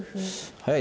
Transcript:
はい。